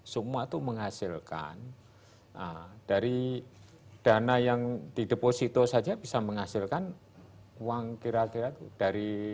semua itu menghasilkan dari dana yang di deposito saja bisa menghasilkan uang kira kira dari